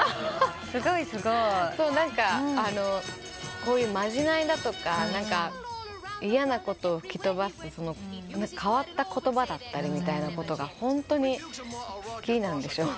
こういうまじないだとか嫌なことを吹き飛ばす変わった言葉だったりみたいなことがホントに好きなんでしょうね。